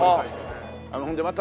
ほんでまた